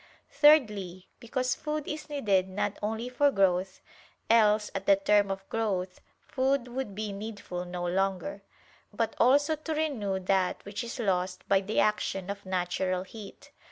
Thirdly, because food is needed not only for growth, else at the term of growth, food would be needful no longer; but also to renew that which is lost by the action of natural heat.